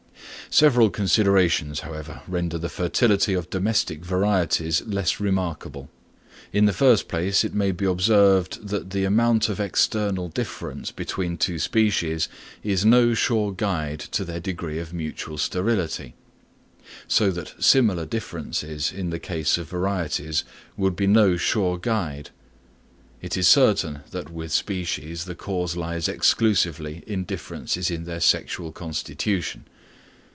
Several considerations, however, render the fertility of domestic varieties less remarkable. In the first place, it may be observed that the amount of external difference between two species is no sure guide to their degree of mutual sterility, so that similar differences in the case of varieties would be no sure guide. It is certain that with species the cause lies exclusively in differences in their sexual constitution.